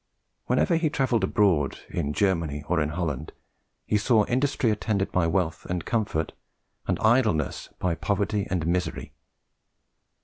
Wherever he travelled abroad, in Germany or in Holland, he saw industry attended by wealth and comfort, and idleness by poverty and misery.